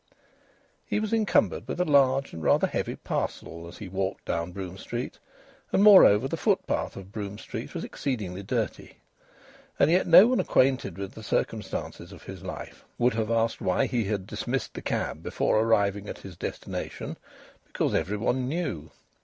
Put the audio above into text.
He was encumbered with a large and rather heavy parcel as he walked down Brougham Street, and, moreover, the footpath of Brougham Street was exceedingly dirty. And yet no one acquainted with the circumstances of his life would have asked why he had dismissed the cab before arriving at his destination, because every one knew.